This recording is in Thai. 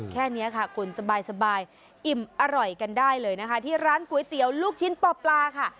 แค่นี้ค่ะคุณสบายอิ่มอร่อยกันได้เลยนะคะที่ร้านก๋วยเตี๋ยวลูกชิ้นปลาค่ะ